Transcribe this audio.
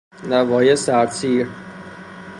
نواحی سردسیر